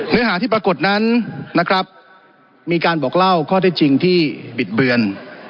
เนื้อหาที่ปรากฏนั้นนะครับมีการบอกเล่าข้อเท็จจริงที่บิดเบือน